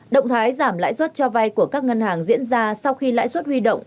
động thái giảm lãi suất cho vay của các ngân hàng diễn ra sau khi lãi suất huy động